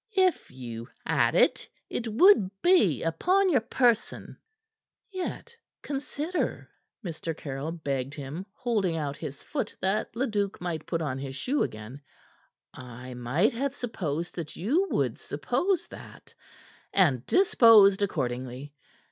"If you had it, it would be upon your person." "Yet consider," Mr. Caryll begged him, holding out his foot that Leduc might put on his shoe again, "I might have supposed that you would suppose that, and disposed accordingly.